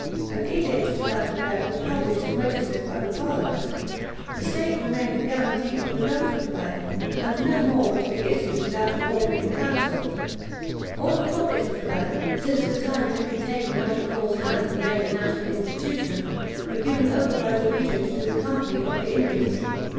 An edict to that effect was published and registered by the parliament. The state remained the guarantee for the notes of the bank, and no more were to be issued without an order in council. All the profits of the bank, since the time it had been taken out of Law's hands and made a national institution, were given over by the regent to the Company of the Indies.